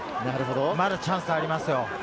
まだチャンスがありますよ。